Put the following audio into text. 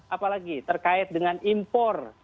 apalagi terkait dengan impor